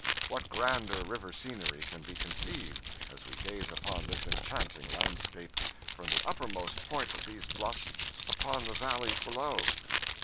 What grander river scenery can be conceived, as we gaze upon this enchanting landscape, from the uppermost point of these bluffs upon the valleys below?